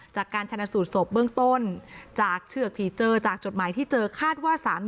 จากการชนะสูตรศพเบื้องต้นจากเชือกที่เจอจากจดหมายที่เจอคาดว่า